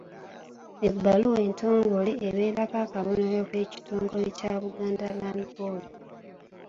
Ebbaluwa entongole ebeerako akabonero k'ekitongole kya Buganda Land Board.